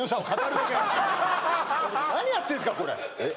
何やってんすかこれえっ？